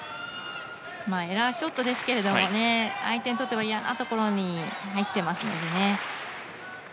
エラーショットですけれども相手にとっては嫌なところに入ってますのでね。